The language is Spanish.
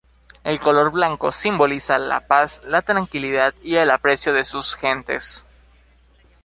El color blanco simboliza la paz, la tranquilidad y el aprecio de sus gentes.